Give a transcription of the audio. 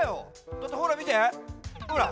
だってほらみてほら。